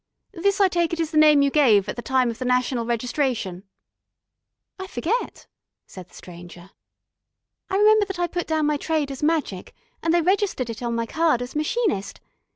"This, I take it, is the name you gave at the time of the National Registration." "I forget," said the Stranger. "I remember that I put down my trade as Magic, and they registered it on my card as 'Machinist.'